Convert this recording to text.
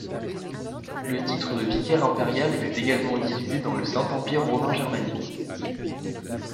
Le titre de vicaire impérial fut également utilisé dans le Saint-Empire romain germanique.